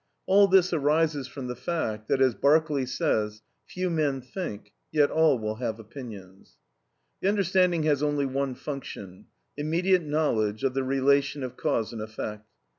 All this arises from the fact that, as Berkeley says, "Few men think; yet all will have opinions." The understanding has only one function—immediate knowledge of the relation of cause and effect.